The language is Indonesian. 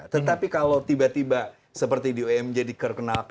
tetapi kalau tiba tiba seperti di umg diperkenalkan ini